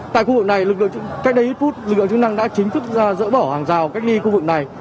tại khu vực này lực lượng chức năng đã chính thức dỡ bỏ hàng rào cách ly khu vực này